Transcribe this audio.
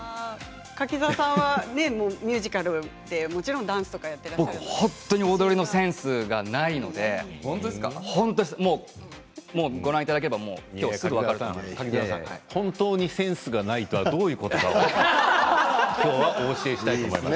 柿澤さんはミュージカルもちろんダンスとか僕は本当に踊りのセンスがないのでご覧いただければ柿澤さん、本当にセンスがないというのはどういうことか今日はお教えしたいと思います。